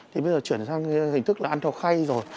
thì bây giờ chuyển sang hình thức là ăn theo khay rồi